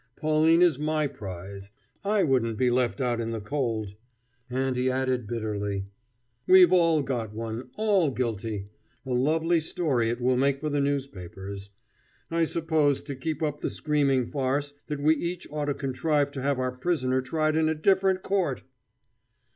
Pauline is my prize. I wouldn't be left out in the cold." And he added bitterly: "We've all got one! all guilty! a lovely story it will make for the newspapers. I suppose, to keep up the screaming farce, that we each ought to contrive to have our prisoner tried in a different court!"